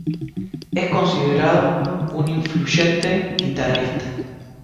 Es considerado un influyente guitarrista.